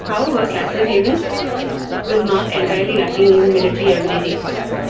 However, Castlehaven was not entirely lacking in military ability.